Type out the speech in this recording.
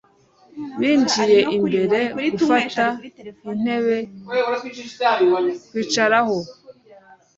Binjiye imbere gufata intebe zo kwicaraho